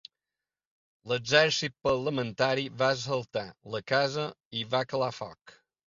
L'exercit parlamentari va assaltar la casa i hi va calar foc.